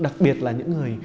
đặc biệt là những người